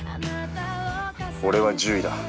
俺は獣医だ。